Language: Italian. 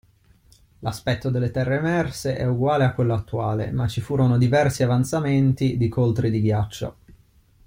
L'aspetto delle terre emerse è uguale a quello attuale ma ci furono diversi avanzamenti di coltri di ghiaccio.